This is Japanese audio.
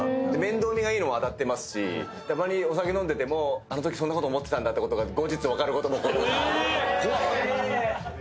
面倒見がいいのも当たってますしたまにお酒飲んでてもあのときそんなこと思ってたんだってことが後日分かることも。